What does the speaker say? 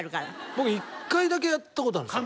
僕一回だけやった事あるんですよ。